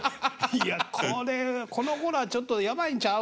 いやこれ「この子らちょっとやばいんちゃう？」